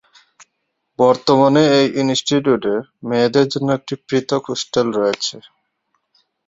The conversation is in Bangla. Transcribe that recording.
বর্তমানে এই ইনস্টিটিউটে মেয়েদের জন্য একটি পৃথক হোস্টেল রয়েছে।